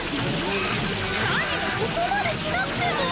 何もそこまでしなくても。